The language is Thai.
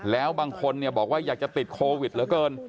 แล้วบางคนบอกว่าอยากจะติดโควิดเหลือเกิน